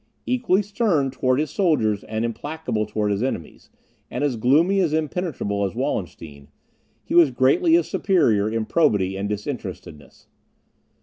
Equally stern towards his soldiers and implacable towards his enemies, and as gloomy and impenetrable as Wallenstein, he was greatly his superior in probity and disinterestedness.